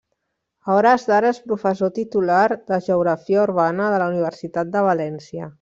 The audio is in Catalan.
A hores d'ara és professor titular de geografia urbana de la Universitat de València.